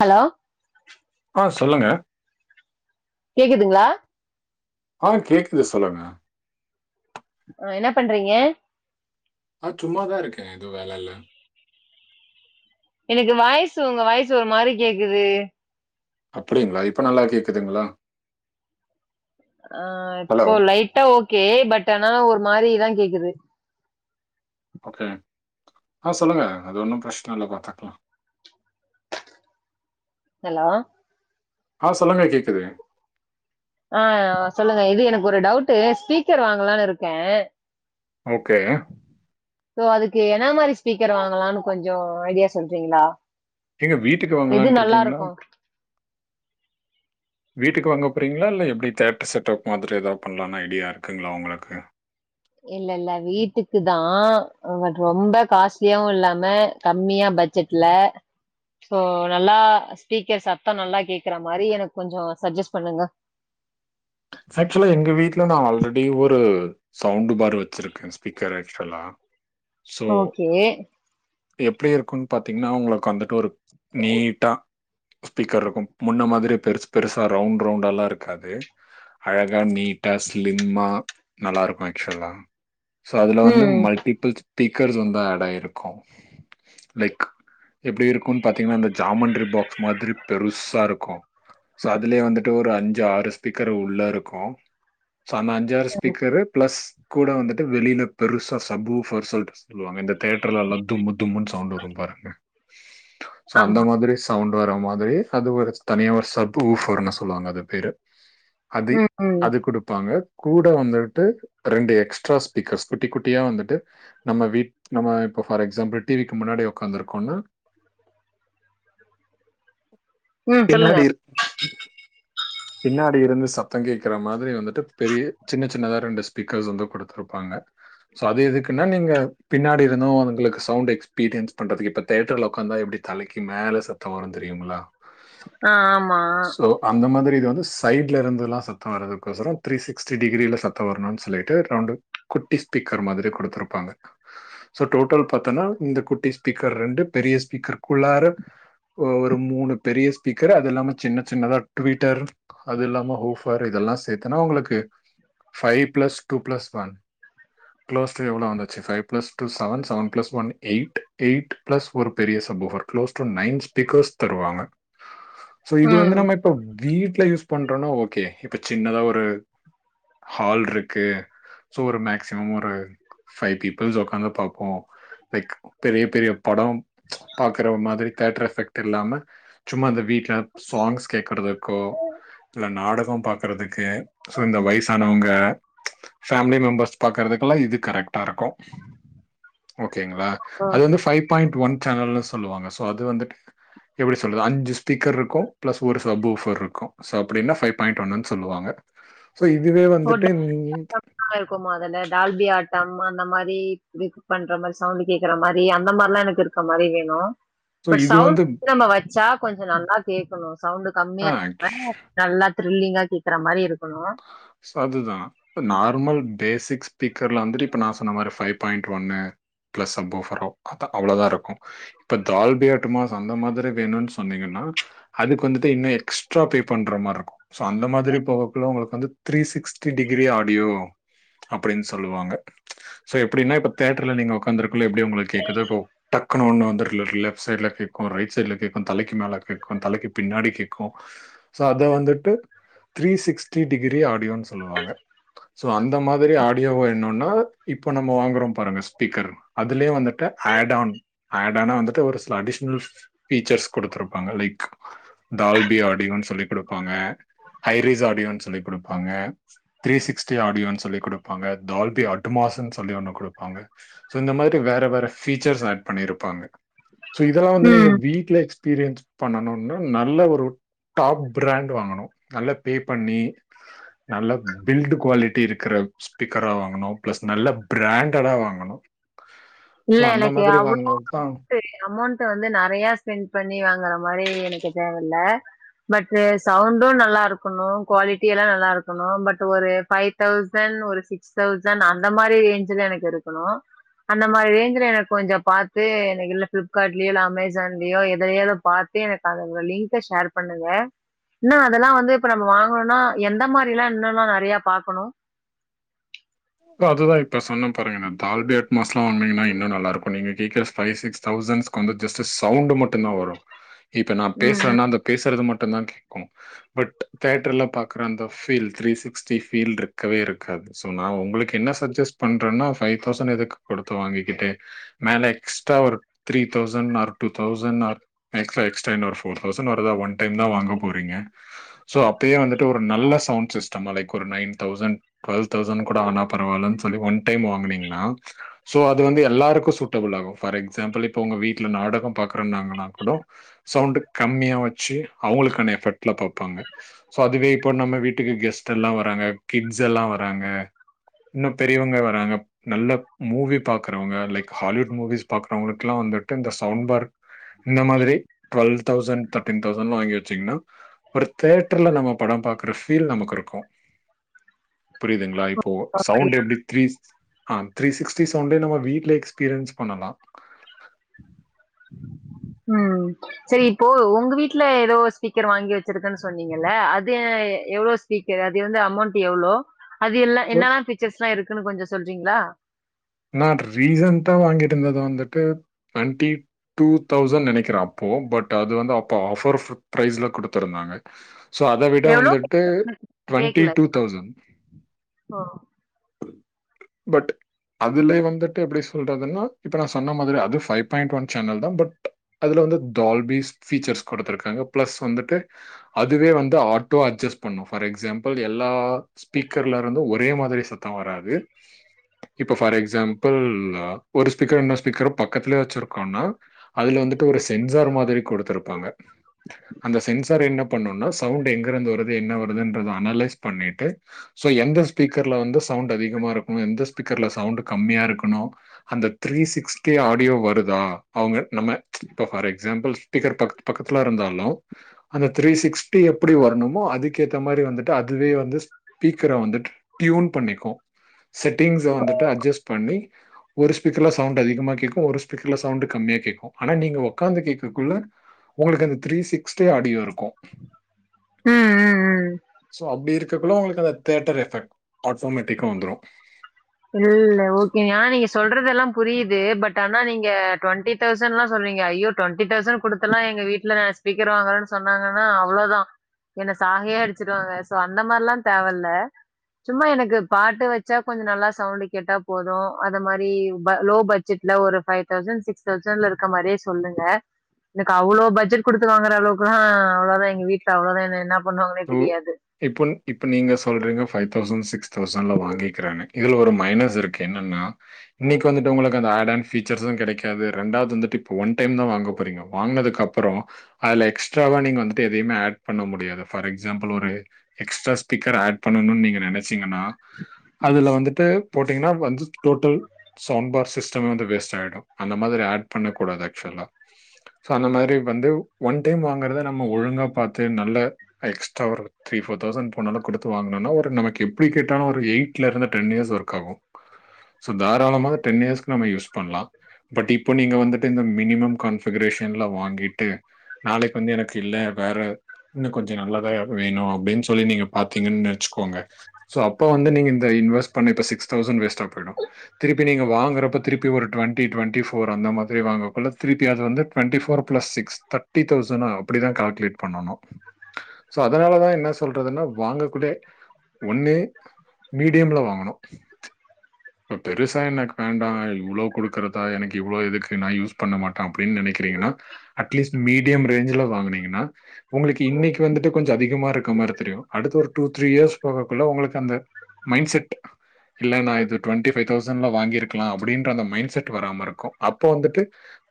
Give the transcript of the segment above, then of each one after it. Hello ஆ சொல்லுங்க கேக்குதுங்களா ஆ கேக்குது சொல்லுங்க என்ன பண்றீங்க ஆ சும்மாதா இருக்க எது வேல இல்ல எனக்கு வாய்சு உங்க வாய்சு ஒரு மாரி கேக்குது அப்பிடீங்களா இப்ப நல்லா கேக்குதுங்களா? ஆ ஹலோ. இப்போ லைட்டா ஓகே பட் ஆனா ஒரு மாரிதா கேக்குது ஓகே ஆ சொல்லுங்க அது ஒன்னு பிரச்சன இல்ல பாத்துக்கலா ஹலோ ஆ சொல்லுங்க கேக்குது ஆ சொல்லுங்க இது எனக்கு ஒரு டவுட்டு ஸ்பீக்கர் வாங்கலானு இருக்க ஓகே சோ அதுக்கு என்ன மாரி ஸ்பீக்கர் வாங்கலானு கொஞ்ச ஐடியா சொல்றீங்களா எங்க வீட்டுக்கு எது வாங்கலான்ட்டு நல்லா இருக்கீங்ளா இருக்கும் வீட்டுக்கு வாங்க போறீங்ளா இல்ல எப்டி தேட்டர் செட்டப் மாதிரி ஏதா பண்லான்னு ஐடியா இருக்குங்களா உங்களுக்கு இல்லல்ல வீட்டுக்குதா ஆ ரொம்ப காஸ்லியாவு இல்லாம கம்மியா பட் ட்ஜட்ல சோ நல்லா ஸ்பீக்கர் சத்தோ நல்லா கேக்கற மாரி எனக்கு கொஞ்சோ சட்ஜெஸ் பண்ணுங்க ஆக்சுவலா எங்க வீட்ல நா ஆல்ரெடி ஒரு சவுண்டு பாரு வச்சிருக்க ஸ்பீக்கர் ஆக்ச்சுவலா சோ ஓகே எப்டி இருக்குன்னு பாத்தீங்கன்னா உங்களுக்கு அந்த டோருக் நீட்டா ஸ்பீக்கர் இருக்கும் முன்ன மாதிரி பெருசு பெருசா ரவுண்ட் ரவுண்டால்லா இருக்காது அழகா நீட்டா ஸ்லிம்மா நல்லா இருக்கு ஆக்சுவலா சோ அதுல வந்து ம் மல்ட்டிபிள் ஸ்பீக்கர்ஸ் வந்து ஆட் ஆயிருக்கு லைக் எப்டி இருக்குன்னு பாத்தீங்கன்னா இந்த ஜாமண்ட்ரி பாக்ஸ் மாதிரி பெருசா இருக்கு சோ அதுலேயே வந்துட்டு ஒரு அஞ்சு ஆறு ஸ்பீக்கரு உள்ள இருக்கு சோ அந்த அஞ்சாறு ஸ்பீக்கரு ப்ளஸ் கூட வந்துட்டு வெளில பெருசா சப்பு ஊஃபர் சொல்ட்டு சொல்லுவாங்க இந்த தியேட்டர்லலா தும்தும்முன் சவுண்ட் வரும் பாருங்க சோ ஆமா அந்த மாதிரி சவுண்டு வர மாதிரி அது ஒரு தனியா ஒரு சப்பு ஊஃபர்ன்னு சொல்லுவாங்க அது பேரு அது ம், ம். அது குடுப்பாங்க கூட வந்துட்டு ரெண்டு எக்ஸ்ட்ரா ஸ்பீக்கர்ஸ் குட்டி குட்டியா வந்துட்டு நம்ம வீ்ட் நம்ம இப்போ ஃபார் எக்ஸாம்பிள் டிவிக்கு முன்னாடி உக்காருக்கோனா ம் சொல்லுங்க பின்னாடி பின்னாடி இருந்து சத்தோ கேக்கற மாதிரி வந்துட்டு பெரிய சின்ன சின்னதா ரெண்டு ஸ்பீக்கர்ஸ் வந்து குடுத்துருப்பாங்க ஸோ அது எதுக்குன்னா நீங்க பின்னாடி இருந்து உங்களுக்கு சவுண்ட் எக்ஸ்பீரியன்ஸ் பண்றதுக்கு இப்ப தேட்டர்ல உக்காந்தா எப்டி தலைக்கு மேல சத்தோ வரு தெரியுங்ளா ஆ ஆமா ஸோ அந்த மாதிரி வந்து சைட்ல இருந்துலா சத்தோ வரதுக்கொசரோ த்ரீ சிக்ஸ்டி டிகிரீல சத்த வரணுனு சொல்லிட்டு ரவுண்டு குட்டி ஸ்பீக்கர் மாதிரி குடுத்துருப்பாங்க சோ டோட்டல் பாத்தன்னா இந்த குட்டி ஸ்பீக்கர் ரெண்டு பெரிய ஸ்பீக்கர்க்குள்ளாற ஒ ஒரு மூணு பெரிய ஸ்பீக்கர் அது இல்லாம சின்ன சின்னதா ட்வீட்டர் அது இல்லாம ஊஃபர் இதெல்லா சேத்துனா உங்களுக்கு five plus two plus one close to எவ்ளோ வந்தாச்சு five plus two seven seven plus one eight eight plus ஒரு பெரிய சபோகர் க்ளோஸ் டு நைன் ஸ்பீக்கர்ஸ் தருவாங்க சோ இது வந்து ம். நம்ம இப்ப வீட்ல யூஸ் பண்றோனா ஓகே இப்ப சின்னதா ஒரு ஹால்ருக்கு சோ ஒரு மேக்சிமம் ஒரு ஃபை பீப்பிள்ஸ் உக்காந்து பாப்போ லைக் பெரிய பெரிய படம் ச் பாக்கற மாதிரி தேட்டர் எஃபெக்ட் இல்லாம சும்மா இந்த வீட்ல சாங்ஸ் கேக்குறதுக்கோ இல்ல நாடகோ பாக்றதுக்கு சோ இந்த வய்சானவங்க ஃபேமிலி மெம்பர்ஸ் பாக்கறதுக்கெல்லா இது கரெக்ட்டா இருக்கு ஓகேங்ளா ஓ! அது வந்து ஃபை பாயிண்ட் ஒன் சேனல்னு சொல்லுவாங்க சோ அது வந்துட்டு எப்டி சொல்றது அஞ்சு ஸ்பீக்கருக்கும் ப்ளஸ் ஒரு சப் வுஃபருக்கும் சோ அப்டின்னா ஃபை பாயிண்ட் ஒண்ணுன்னு சொல்லுவாங்க சோ இதுவே ஓ! வந்துட்டு நீங்க இருக்குமா அதுல டால்பியா ஆட்டம் அந்த மாரி விக் பண்ற மாரி சவுண்ட் கேக்குற மாரி அந்த மாரிலா எனக்கு இருக் க மாரி வேணு ஸோ பட் இது சவுண்ட் வந்து நம்ம வச்சா கொஞ்சோ நல்லா கேக்கணு சவுண்டு ஆ கம்மியா ஷ் நல்லா த்ரில்லிங்கா கேக்குற மாரி இருக்கணு சோ அதுதா நார்மல் பேசி்க்ஸ் ஸ்பீக்கர்ல வந்துட்டு இப்போ நா சொன்ன மாரி ஃபை பாயிண்ட் ஒண்ணு ப்ளஸ் சப் உஃப்ரோ அத் அவ்ளோதாருக்கு இப்ப டால்பி அட்மாஸ் அந்த மாதிரி வேணுனு சொன்னீங்கன்னா அதுக்கு வந்துட்டு இன்னு எக்ஸ்ட்ரா பே பண்றமாறிருக்கு சோ அந்த மாதிரி பவர்ஃபுல்லா உங்களுக்கு வந்து த்ரீ சிக்ஸ்டி டிகிரி ஆடியோ அப்டின்னு சொல்லுவாங்க சோ எப்டின்னா இப்ப தேட்டர்ல நீங்க ஒக் காந்துருக்கல எப்டி உங்களுக்கு கேக்குதோ இப்ப டக்கு ஒண்ணு வந்து லெ-லெஃப்ட் சைட்ல கேக்கு ரைட் சைட்ல கேக் தலக்கி மேல கேக்கு தலக்கி பின்னாடி கேக்கு சோ அத வந்துட்டு த்ரீ சிக்ஸ்டி டிகிரி ஆடியோன்னு சொல்லுவாங்க சோ அந்த மாதிரி ஆடியோ வேணுன்னா இப்ப நம்ம வாங்கறோ பாருங்க ஸ்பீக்கர் அதுலே வந்து க்க ஆட் ஆன் ஆட்டான்னா வந்துட்டு ஒரு சில அடிஷனல் ஃப்-பீச்சர்ஸ் கொடுத்துருப்பாங்க லைக் டால்பி ஆடியோன்னு சொல்லி் குடுப்பாங்க ஹைரிஸ் ஆடியோன்னு சொல்லி குடுப்பாங்க த்ரீ சிக்ஸ்டி ஆடியோன்னு சொல்லி குடுப்பாங்க டால்பி அட்மாஸ்னு சொல்லி ஒண்ணு குடுப்பாங்க இந்த மாரி வேற வேற ஃபீச்சர்ஸ் ஆட் பண்ணிருப்பாங்க சோ இதெல்லா வந்து நீங்க ம். வீட்ல எக்ஸ்பீரியன்ஸ் பண்ணணும்னு நல்ல ஒரு டாப் பிராண்ட் வாங்கணு நல்லா பே பண்ணி நல்ல பில்டு குவாலிட்டி இருக்குற ஸ்பீக்கரா வாங்கணு ப்ளஸ் நல்ல பிராண்டடா வாங்கணு சோ அந்த மாதிரி வாங்குனது தா ட்டூ அமௌண்ட் வந்து நெறையா ஸ்பெண்ட் பண்ணி வாங்கற மாரி எனக்கு தேவல்ல பட்டூ சவுண்டும் நல்லாருக்கணு குவாலிட்டி எல்லா நல்லாருக்கணு பட் ஒரு ஃபை தௌசண் ஒரு சிக்ஸ் தௌசண் அந்த மாரி ரேஞ்ல எனக்கு இருக்கணு அந்த மாரி ரேஞ்சுல எனக்கு கொஞ்சோ பாத்து எனக்கு இந்த ஃப்ளிப்கார்ட்லயோ இல்ல அமேசான்லயோ எதையலோ பாத்து எனக்கு அந்த லிங்க்க ஷேர் பண்ணுங்க இன்னு அதெல்லா வந்து இப்ப நம்ம வாங்கணுனா எந்த மாரிலா இன்னு நம்ம நெறைய பாக்கணு ஓ அதுதா இப்ப சொன்னே பாருங்க இந்த டால்பி அட்மாஸ்லா வாங்குனீங்கன்னா இன்னு நல்லாருக்கு நீங்க கேக்குற ஃபை சிக்ஸ் தௌசண்ஸ் அந்த ஜஸ்ட்டு சவுண்ட் மட்டு தா வரு இப்ப நா ம், பேசுறேன்னா அந்த பேசுறது மட்டு தா கேக்கு பட் தேட்டர்ல பாக்கற அந்த ஃபீல் த்ரீ சிக்ஸ்டி ஃபீல்ருக்கவே இருக்காது சோ நா உங்களுக் கு என்ன சஜஸ்ட் பண்றனா ஃபை தௌசண் எதுக்கு குடுத்து வாங்கிக்கிட்டு மேல எக்ஸ்ட்ரா ஒரு three thousand or two thousand or extra extra என்ன ஒரு ஃபோர் தௌசண் வருதா ஒன் டைம் தா வாங்க போறீங்க சோ அப்பயு வந்துட்டு ஒரு நல்ல சவுண்ட் சிஸ்டமா லைக் ஒரு நைன் தௌசண் டுவல் தௌசண் கூட ஆனா பரவால்லன்னு சொல்லி ஒன் டைம் வாங்னீங்கன்னா சோ அது வந்து எல்லாருக்கு சூட்டபிள் ஆகும் ஃபார் எக்ஸாம்பிள் இப்ப உங்க வீட்ல நாடகம் பாக்குற நாங்கன்னா கூடு சவுண்டு் கம்மியா வச்சு அவுங்களுக்கான எஃபெக்ட்ல பாப்பாங்க சோ அதுவே இப்போ நம்ம வீட்டுக்கு கெஸ்ட் எல்லாம் வராங்க கிட்ஸ் எல்லாம் வராங்க இன்னு பெரியவங்களே வராங்க நல்ல மூவி பாக்குறவங்க லைக் ஹாலிவுட் மூவிஸ் பாக்குறவங்களுக்கு எல்லாம் வந்துட்டு இந்த சவுண்ட்பார் இந்த மாதிரி டுவெல்வ் தௌசண்ட் தர்ட்டீன் தௌசண்ட்ல வாங்கி வச்சீங்கன்னா ஒரு தேட்டர்ல நம்ம படம் பாக்கற ஃபீல் நமக்கிருக்கு புரிதுங்களா இப்போ ம். சவுண்ட் எப்டி த்ரீஸ் ஆ த்ரீ சிக்ஸ்டி சவுண்டே நம்ம வீட்ல எக்ஸ்பீரியன்ஸ் பண்ணலா ம் சரி இப்போ உங்க வீட்ல ஏதோ ஒரு ஸ்பீக்கர் வாங்கி வச்சிருக்குன்னு சொன்னீங்கல்ல அது எவ்ளோ ஸ்பீக்கர் அது வந்து அமௌண்ட் எவ்ளோ அது எல்லா‌ சோ, என்னல்லா ஃபீச்சர்ஸ்ல்லா இருக்குன்னு கொஞ்சோ சொல்றீங்களா நான் ரீசென்ட்டா வாங்கிட்ருந்தது வந்துட்டு டுவென்ட்டி டூ தௌசண்ட் நனைக்கிற அப்போ பட் அது வந்து அப்போ ஆஃபர் ஃபுட் ப்ரைஸ்ல குடுத்துருந்தாங்க சோ அத விட எவ்ளோ? வந்துட்டு டுவெண்ட்டி டூ தௌசண்ட் ஒ பட் அதுலய வந்துட்டு எப்படி சொல்றதுன்னா இப்ப நா சொன்ன மாதிரிதா அது ஃபைவ் பாயிண்ட் ஒன் சேனல் தான் பட் அதுல வந்து டால்பீஸ் ஃபீச்சர்ஸ் குடுத்துருக்காங்க பிளஸ் வந்துட்டு அதுவே வந்து ஆட்டோ அட்ஜஸ்ட் பண்ணும் ஃபார் எக்ஸாம்பிள் எல்லா ஸ்பீக்கர்ல இருந்து ஒரே மாதிரி சத்தோ வராது இப்ப ஃபார் எக்ஸாம்பிள் ஒரு ஸ்பீக்கர் இன்னொரு ஸ்பீக்கரும் பக்கத்துலேயே வச்சிருக்கோன்னா அதுல வந்துட்டு ஒரு சென்சார் மாதிரி கொடுத்துருப்பாங்க அந்த சென்சார் என்ன பண்ணுன்னா சவுண்ட் எங்கிருந்து வருது என்ன வருதுன்ற அனலைஸ் பண்ணிட்டு சோ எந்த ஸ்பீக்கர்ல வந்து சவுண்ட் அதிகமா இருக்கணு எந்த ஸ்பீக்கர்ல சவுண்ட் கம்மியா இருக்கணு அந்த த்ரீ சிக்ஸ்டி ஆடியோ வருதா அவுங்க நம்ம இப்ப ஃபார் எக்ஸாம்பிள் ஸ்பீக்கர் பக்கத்பக்கத்துல இருந்தாலு அந்த த்ரீ சிக்ஸ்டி எப்படி வரணுமோ அதுக்கேத்த மாரி வந்துட்டு அதுவே வந்து ஸ்பீக்கர வந்துட்டு டியூன் பண்ணிக்கு செட்டிங்ஸ வந்துட்டு அட்ஜஸ்ட் பண்ணி ஒரு ஸ்பீக்கர்ல சவுண்டு அதிகமா கேக்கு ஒரு ஸ்பீக்கர்ல சவுண்டு கம்மியா கேக்கு ஆனா நீங்க ஒக்க்காந்து கேக்கக்குள்ள உங்களுக்கு அந்த த்ரீ சிக்ஸ்டே ஆடியோ இருக்கு ம், ம், ம். சோ அப்டி இருக்ககுள்ள உங்களுக்கு அந்த தேட்டர் எஃபெக்ட் ஃபோமேட்டிக்கு வந்துரு ம் ஓகேங்க ஆனா நீங்க சொல்றதெல்லாம் புரியுது பட் ஆனா நீங்க டுவெண்டி தௌசண்ட் எல்லா சொல்றீங்க அய்யோ டுவெண்ட்டி தௌசண்ட் குடுத்துலா எங்க வீட்ல ஸ்பீக்கர் வாங்குறன்னு சொன்னாங்கானா அவ்ளோதா என்ன சாகைய அடிச்சுருவாங்க சோ அந்த மாரில்லா தேவ இல்ல சும்மா எனக்கு பாட்டு வச்சா கொஞ்சோ நல்லா சவுண்ட் கேட்டா போது அது மாரி ப லோ பட்ஜெட்ல ஒரு பைவ் தௌசண்ட் சிக்ஸ் தௌசண்ட்ல்ல இருக்க மாரியே சொல்லுங்க எனக்கு அவ்ளோ பட்ஜெட் குடுத்து வாங்கற அளவுக்குலா அவ்ளதா எங்க வீட்ல அவ்ளதா என்ன என்ன பண்ணுவாங்கன்னே தெரியாது இப்ப இப்ப நீங்க சொல்றீங்க ஃபைவ் தௌசண் சிக்ஸ் தௌசண்ல வாங்கிக்கிறனு இதுல ஒரு மைனஸ் இருக்கு என்னன்னா இன்னைக்கு வந்துட்டு உங்களுக்கு அந்த அட் ஆண் ஃபீச்சர்சு கெடைக்காது ரெண்டாது வந்துட்டு இப்ப ஒன் டைம் தா வாங்க போறீங்க வாங்கனதுக்கு அப்பறோ அதுல எக்ஸ்ட்ராவா நீங்க வந்துட்டு எதயுமே அட் பண்ண முடியாது பார் எக்ஸம்பிள் ஒரு எக்ஸ்ட்ரா ஸ்பீக்கர் அட் பண்ணணுன் நீங்க நினைச் ச்சீங்கன்னா அதுல வந்துட்டு போட்டீங்கன்னா வந்து டோட்டல் சவுண்ட் பார் சிஸ்டமே வந்து வேஸ்ட் ஆய்டு அந்த மாதிரி அட் பண்ண கூடாது ஆக்சுவலா சோ அந்த மாரி வந்து ஒன் டைம் வாங்கறத நம்ம ஒழுங்கா பாத்து நல்ல எக்ஸ்ட்ரா வரு த்ரீ ஃபோர் தௌசண்ட் போனாலு குடுத்து வாங்கனுனா ஒரு நமக்கு எப்டி கேட்டாலு ஒரு எய்ட்ல இருந்து டென் இயர்ஸ் ஒர்க் ஆகு சோ தாராளமாக டென் இயர்ஸ்கு நம்ம யூஸ் பண்லா பட் இப்போ நீங்க வந்துட்டு இந்த மினிமம் கான்பிகரேஷன்ல வாங்கிட்டு நாளைக்கு வந்து எனக்கு இல்ல வேற கொஞ்சோ நல்லதா வேணு அப்டின்னு சொல்லி நீங்க பாத்தீங்கன் நென்ச்சுக்கோங்க சோ அப்ப வந்து நீங்க இந்த இன்வெஸ் பண்ண இப்ப சிக்ஸ் தௌசண் வேஸ்டா போய்டு திருப்பி நீங்க வாங்குறப்ப திருப்பி ஒரு டுவெண்டி டுவெண்டி போர் அந்த மாதிரி வாங்ககுள்ள திருப்பி அது வந்து twenty four plus six thirty தௌசண்ணா அப்டிதா கல்குலேட் பண்ணனு சோ அதனாலதா என்ன சொல்றதுன்னா வாங்க கூடே ஒன்னு மீடியம்ல வாங்கணு இப்ப பெருசா எனக்கு வேண்டா இவ்ளோ குடுக்குறதா எனக்கு இவ்ளோ எதுக்கு நா யூஸ் பண்ண மாட்ட அப்டின்னு நெனைக்கிறீங்கனா அட்லீஸ்ட் மீடியம் ரேஞ்ச்ல வாங்குனீங்கனா உங்ளுக்கு இன்னைக்கு வந்துட்டு கொஞ்சோ அதிகமா இருக்க மாரி தெரியு அடுத்து ஒரு டூ த்ரீ இயர்ஸ் போகக்குள்ள உங்களுக்கு அந்த மைண் செட் இல்லன்னா இது ட்வென்ட்டி பைவ் தௌசண்ல வாங்கிருக்கலா அப்டின்ற அந்த மைண்ட் செட் வராம இருக்கு அப்ப வந்துட்டு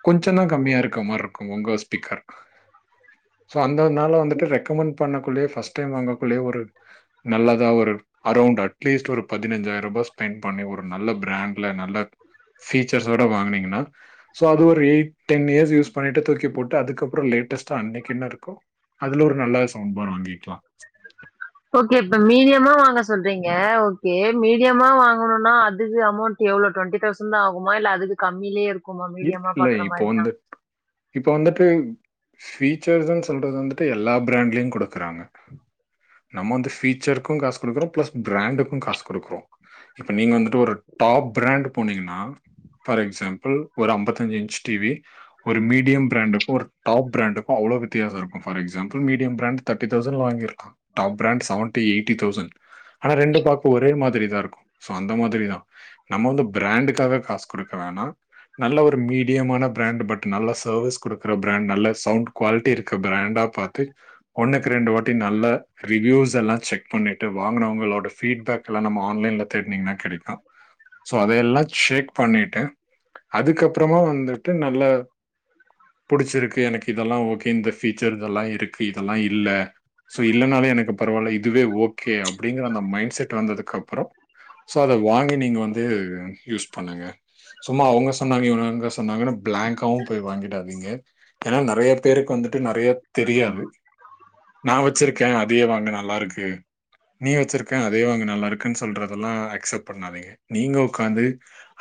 கொஞ்சந் தா கம்மியா இருக்க மாறி இருக்கு உங்க ஸ்பீக்கர் சோ அந்த இதுனால வந்துட்டு ரெக்கமெண்ட் பண்ணக்குள்ளயே ஃபஸ்ட் டைம் வாங்கக்குள்ளயே ஒரு நல்லதா ஒரு அரௌண்ட் அட்லீஸ்ட் ஒரு பதினஞ்சாயிரூபா ஸ்பெண்ட் பண்ணி ஒரு நல்ல பிரண்ட்ல நல்ல பீச்சர்ஸோட வாங்குனீங்னா சோ அது ஒரு எய்ட் டென் இயர்ஸ் யூஸ் பண்ணிட்டு தூக்கி போட்டு அதுக்கப்றோ லேட்டஸ்டா அன்னைக்கி என்ன இருக்கோ அதுல ஒரு நல்ல சவுண்ட் பார் வாங்கிக்கலா ஓகே இப்ப மீடியமா வாங்க சொல்றீங்க ஓகே மீடியமா வாங்கணுன்னா அதுக்கு அமௌண்ட் எவ்ளோ டொண்டி தௌசண்ட் தா ஆகுமா இல்ல அது கம்மிலே இருக் இருக்குல்ல இப்ப வந்து இப்ப வந்துட்டு ஃபீச்சர்ஸ்ன்னு சொல்றது வந்துட்டு எல்லா பிராண்ட்லயு குடுக்குறாங்க நம்ம அந்த பீச்சருக்கும் காசு குடுக்குறோ ப்ளஸ் பிராண்டுக்கு காசு குடுக்குறோ இப்ப நீங்க வந்துட்டு ஒரு டாப் பிரண்ட் போனீங்கன்னா ஃபார் எக்ஸம்பிள் ஒரு அம்பத்தஞ்சு இன்ச் டி வி ஒரு மீடியம் பிராண்டுக்கு ஒரு டாப் பிராண்டுக்கு அவ்ளோ வித்யாசோ இருக்கு ஃபார் எக்ஸாம்பிள் மீடியம் பிராண்ட் தட்டி தௌசண்ட்ல வாங்கிருக்கா top brand seventy eighty thousand ஆனா ரெண்டு பாக்க ஒரே மாதிரி தா இருக்கு சோ அந்த மாதிரிதா நம்ம வந்து ப்ரண்டுக்காக காசு குடுக்க வேணா நல்ல ஒரு மீடியமான பிரண்ட் பட் நல்ல சர்வீஸ் குடுக்கிற ப்ரண்ட் நல்ல சவ்ண்ட் குவாலிட்டி இருக்க ப்ரண்டா பாத்து ஒன்னுக்கு ரெண்டு வாட்டி நல்ல ரிவ்யூஸ் எல்லா செக் பண்ணிட்டு வாங்குனவங்களோட பீட்பேக் எல்லா நம்ம ஆன்லைன்ல தேடினீங்னா கெடைக்கு சோ அதையெல்லா செக் பண்ணிட்டு அதுக்கப்றமா வந்துட்டு நல்ல புடிச்சிருக்கு எனக்கு இதெல்லா ஓகே இந்த ஃபீச்சர் இதெல்லா இருக்கு இதெல்லா இல்ல சோ இல்லனாவே எனக்கு பரவால்ல இதுவே ஓகே அப்டிங்கற அந்த மைண்ட் செட் வந்ததுக்கு அப்பற சோ அத வாங்கி நீங்க வந்து யூஸ் பண்ணுங்க சும்மா அவங்க சொன்னாங்க இவங்க சொன்னாங்கன்னு பிளாங்காவு போய் வாங்கிடாதீங்க ஏன்னா நெறய பேருக்கு வந்துட்டு நெறய தெரியாது நான் வச்சிருக்கே அதையே வாங்கு நல்லாருக்கு நீ வச்சிருக்க அதே வாங்கு நல்லாருக்குன் சொல்றதெல்லா அக்செப்ட் பண்ணாதீங்க நீங்க உக்காந்து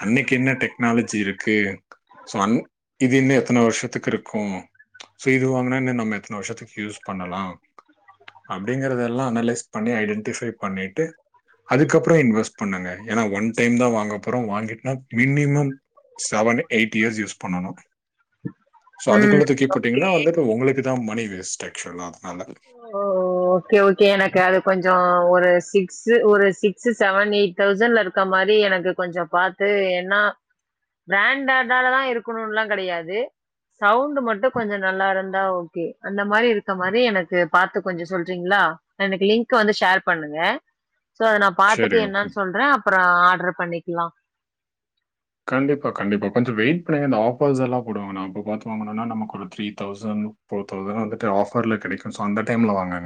அன்னைக்கு என்ன டெக்னாலஜி இருக் கு சோ அன் இது இன்னு எத்தன வருஷத்துக்கு இருக்கு சோ இது வாங்குனா இன்னு நம்ம எத்தன வருஷத்துக்கு யூஸ் பண்ணலா அப்படிங்கறத எல்லா அனலைஸ் பண்ணி ஐடென்டிஃபை பண்ணிட்டு அதுக்கப்பற இன்வெஸ்ட் பண்ணுங்க ஏன்னா ஒன் டைம் தா வாங்கப்போறோ வாங்கிட்டனா minimum seven eight years use பண்ணணு சோ ம். அதுக்குள்ள தூக்கி ஓகே. போட்டீங்கன்னா வந்து அப்போ உங்களுக்கு தான் மணி வேஸ்ட் ஆக்சுவலா அதனால ஓ! ஓகே ஓகே எனக்கு அது கொஞ்சோ ஒரு சிக்ஸ் ஒரு சிக்ஸ் செவன் எயிட் தௌசண்ட்ல இருக்க மாரி எனக்கு கொஞ்சோ பாத்து என்னா பிராண்டாதாலதா இருக்கணுனுலா கெடையாது சவுண்ட் மட்டு கொஞ்சோ நல்லா இருந்தா ஓகே அந்த மாரி இருக்க மாரி எனக்கு பாத்து கொஞ்சோ சொ சொல்றீங்ளா எனக்கு லிங்க் வந்து ஷேர் பண்ணுங்க சோ அத நா பாத்துட்டு சரி ஓகே என்னன் சொல்ற அப்பற ஆர்டர் பண்ணிக்லா கண்டிப்பா கண்டிப்பா கொஞ்சோ வெயிட் பண்ணுங்க இந்த ஆஃபர்ஸ் எல்லா போடுவாங்க நா அப்ப பாத்து வாங்குனோனா நமக்கு ஒரு த்ரீ தௌசண்ட் ஃபோர் தௌசன் வந்துட்டு ஆஃபர்ல கிடைக்கும் சோ அந்த டைம்ல வாங்குங்க